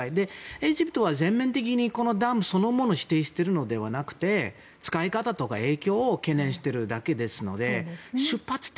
エジプトは、全面的にダムそのものを否定しているのではなくて使い方とか影響を懸念しているだけですので出発点